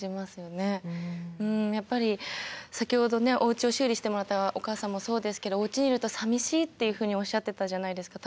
やっぱり先ほどおうちを修理してもらったおかあさんもそうですけど「おうちにいるとさみしい」っていうふうにおっしゃってたじゃないですか。